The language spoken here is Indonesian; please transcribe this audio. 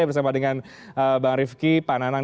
bersama dengan bang rifki pak nanang